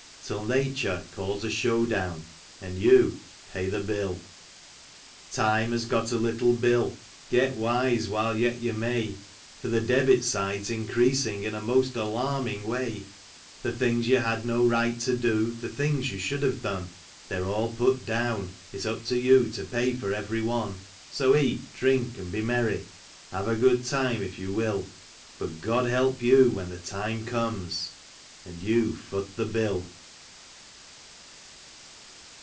Till Nature calls a show down, and you Pay the bill. 44 THE RECKONING. Time has got a little bill — get wise while yet you may, For the debit side's increasing in a most alarming way; The things you had no right to do, the things you should have done. They're all put down: it's up to you to pay for every one. So eat, drink and be merry, have a good time if you will, But Grod help you when the time comes, and you Foot the bill.